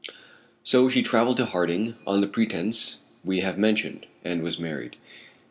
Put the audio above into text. So she traveled to Harding on the pretence we have mentioned, and was married.